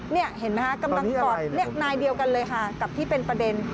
นี่เห็นไหมคะกำลังกอดนายเดียวกันเลยค่ะกับที่เป็นประเด็น